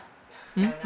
うん？